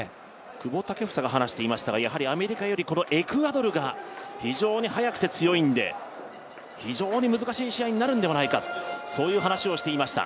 久保建英が話していましたが、アメリカよりこのエクアドルが非常に速くて強いので非常に難しい試合になるのではないかという話をしていました。